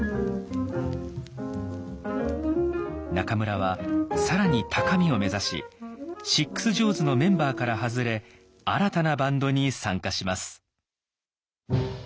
中村は更に高みを目指しシックス・ジョーズのメンバーから外れ新たなバンドに参加します。